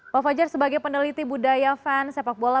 pak fajar sebagai peneliti budaya fans sepak bola